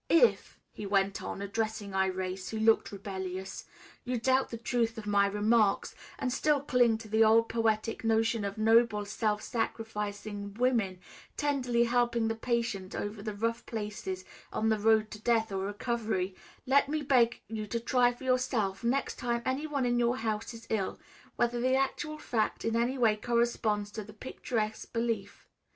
"If," he went on, addressing Irais, who looked rebellious, "you doubt the truth of my remarks, and still cling to the old poetic notion of noble, self sacrificing women tenderly helping the patient over the rough places on the road to death or recovery, let me beg you to try for yourself, next time any one in your house is ill, whether the actual fact in any way corresponds to the picturesque belief.